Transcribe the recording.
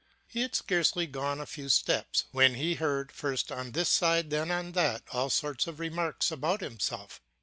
He had scarcely gone a few steps, when he heard, first on this side then on that, all sorts of remarks about himself.